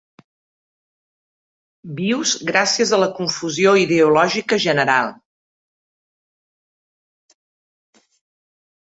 Vius gràcies a la confusió ideològica general.